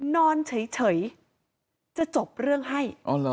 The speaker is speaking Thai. นอนเฉยจะจบเรื่องให้